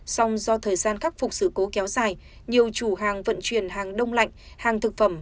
song do thời gian khắc phục sự cố kéo dài nhiều chủ hàng vận chuyển hàng đông lạnh hàng thực phẩm